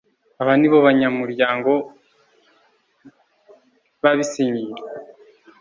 aba nibo banyamuryango babisinyiye